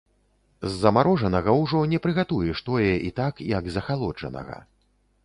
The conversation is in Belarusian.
З замарожанага ўжо не прыгатуеш тое і так, як з ахалоджанага.